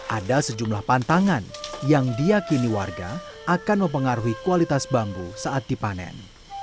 ada sejumlah pantangan yang diakini warga akan mempengaruhi kualitas bambu saat dipanen